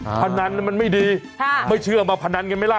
พนันมันไม่ดีไม่เชื่อมาพนันกันไหมล่ะ